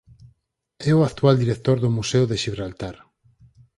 É o actual director do Museo de Xibraltar.